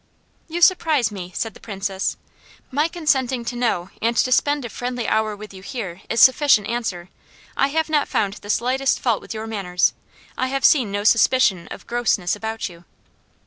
"You surprise me," said the Princess. "My consenting to know and to spend a friendly hour with you here is sufficient answer. I have not found the slightest fault with your manners. I have seen no suspicion of 'grossness' about you."